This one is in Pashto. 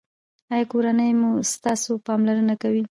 ایا کورنۍ مو ستاسو پاملرنه کوي؟